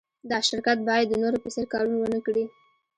دا شرکت باید د نورو په څېر کارونه و نهکړي